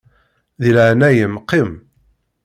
Deg laɛnaya-m qqim.